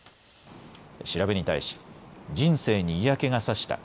調べに対し人生に嫌気がさした。